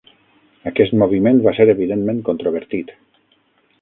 Aquest moviment va ser evidentment controvertit.